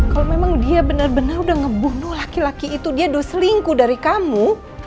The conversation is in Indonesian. kalau memang dia benar benar udah ngebunuh laki laki itu dia doselingku dari kamu